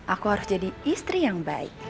aku harus jadi istri yang baik